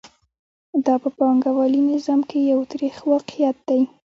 دا په پانګوالي نظام کې یو تریخ واقعیت دی